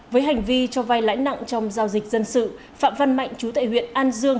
với hành vi cho vai lãi nặng trong giao dịch dân sự phạm văn mạnh chú tại huyện an dương